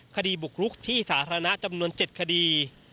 คดีบุกรุกที่สาธารณะจำนวน๗คดี